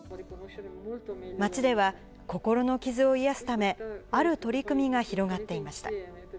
町では、心の傷を癒やすため、ある取り組みが広がっていました。